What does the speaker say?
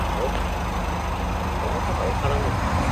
北海道更別村